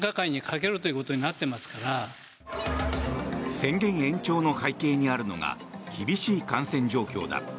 宣言延長の背景にあるのが厳しい感染状況だ。